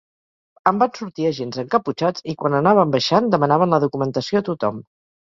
En van sortir agents encaputxats, i quan anàvem baixant demanaven la documentació a tothom.